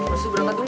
pasti berangkat dulu